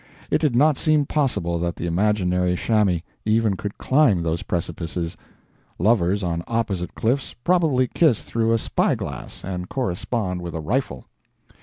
It did not seem possible that the imaginary chamois even could climb those precipices. Lovers on opposite cliffs probably kiss through a spy glass, and correspond with a rifle.